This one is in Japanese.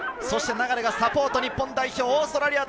そして流がサポート、日本代表。